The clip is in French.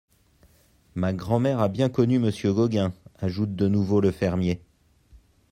Ma grand'mère a bien connu M. Gauguin, ajoute de nouveau le fermier.